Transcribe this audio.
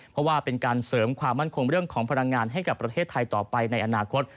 เพราะว่าเป็นการเสริมความมั่นคงเรื่องของพลังงานให้กับประเทศไทยต่อไปในอนาคต